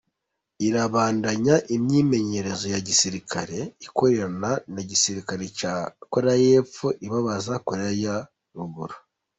Irabandanya imyimenyerezo ya gisirikare ikorana n'igisirikare ca Korea yepfo, ibabaza Korea ya ruguru.